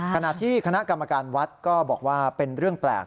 ขณะที่คณะกรรมการวัดก็บอกว่าเป็นเรื่องแปลก